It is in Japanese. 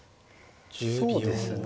そうですね。